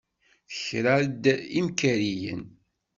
Tekra-d imkariyen.